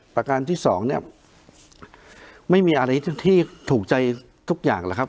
ประการที่สองเนี่ยไม่มีอะไรที่ถูกใจทุกอย่างแหละครับ